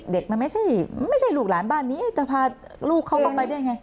เด็กมันไม่ใช่ลูกหลานบ้านนี้จะพาลูกเขาก็ไปได้ไง